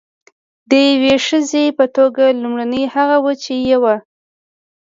د یوې ښځې په توګه لومړنۍ هغه وه چې یوه.